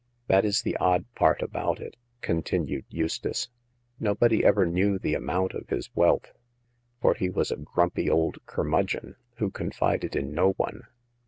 " That is the odd part about it," continued Eustace ;nobody ever knew the amount of his wealth, for he was a grumpy old curmudgeon, who confided in no one.